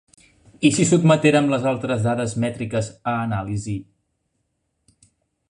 I si sotmetérem les altres dades mètriques a anàlisi?